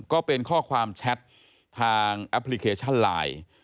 ก็เป็นข้อความแชททางแอปพลิเคชันไลน์